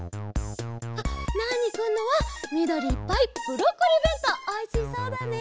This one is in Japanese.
あっナーニくんのはみどりいっぱいブロッコリーべんとうおいしそうだね！